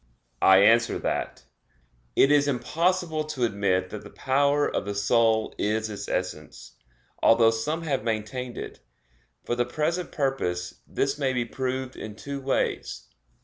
I answer that, It is impossible to admit that the power of the soul is its essence, although some have maintained it. For the present purpose this may be proved in two ways.